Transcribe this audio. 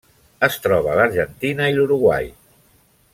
Es troba a l'Argentina i l'Uruguai.